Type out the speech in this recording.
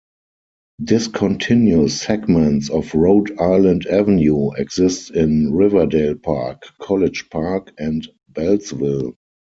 Discontinuous segments of Rhode Island Avenue exist in Riverdale Park, College Park, and Beltsville.